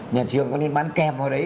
nhà trường có nên bán kèm vào đấy